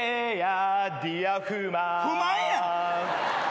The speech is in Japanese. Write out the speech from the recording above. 不満やん！